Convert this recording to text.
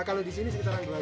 kalau di sini sekitar dua jam